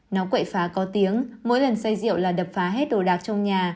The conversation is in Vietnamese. nó quậy phá có tiếng mỗi lần xây diệu là đập phá hết đồ đạc trong nhà